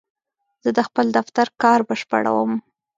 زه د خپل دفتر کار بشپړوم.